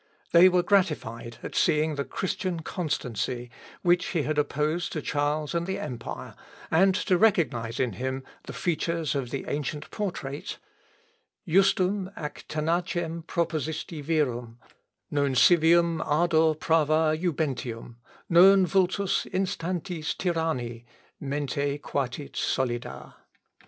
They were gratified at seeing the Christian constancy which he had opposed to Charles and the empire, and to recognise in him the features of the ancient portrait: "Justum ac tenacem propositi virum, Non civium ardor prava jubentium, Non vultus instantis tyranni, Mente quatit solida...."